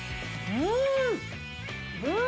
うん！